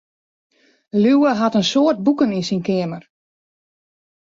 Liuwe hat in soad boeken yn syn keamer.